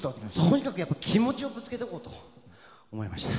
とにかく気持ちをぶつけとこうと思いました。